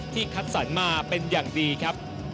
คัดสรรมาเป็นอย่างดีครับ